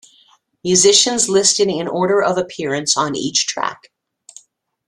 "Musicians listed in order of appearance on each track".